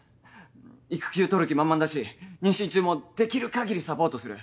育休取る気満々だし妊娠中もできる限りサポートする。